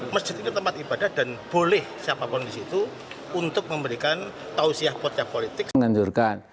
masjid ini tempat ibadah dan boleh siapapun di situ untuk memberikan tausya politik